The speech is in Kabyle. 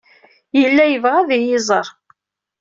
Yella yebɣa ad iyi-iẓer.